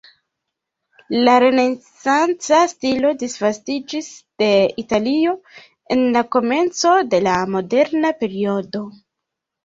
La renesanca stilo disvastiĝis de Italio en la komenco de la moderna periodo.